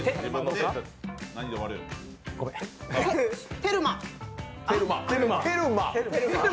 テルマ！